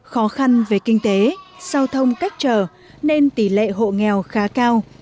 khó khăn về kinh tế giao thông cách trở nên tỷ lệ hộ nghèo khá cao